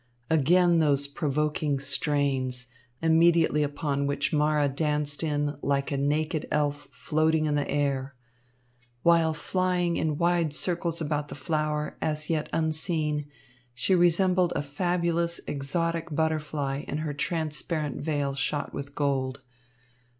Again those provoking strains, immediately upon which Mara danced in, like a naked elf floating in the air. While flying in wide circles about the flower, as yet unseen, she resembled a fabulous, exotic butterfly in her transparent veil shot with gold.